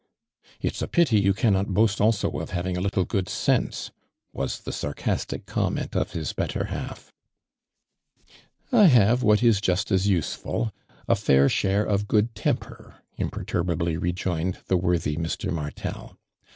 "It's a pity you cannot boast also of having a little good sense?" wivs the snr castic comment of bis better half. " 1 have what is just as useful — a fair share of good temper," imperturbably rtjomed the worthy Mr. Martel.